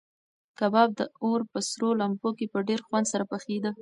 کباب د اور په سرو لمبو کې په ډېر خوند سره پخېده.